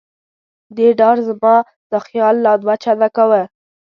دې ډار زما دا خیال لا دوه چنده کاوه.